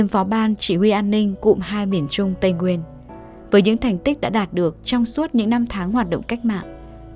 năm phó ban chỉ huy an ninh cụm hai miền trung tây nguyên với những thành tích đã đạt được trong suốt những năm tháng hoạt động cách mạng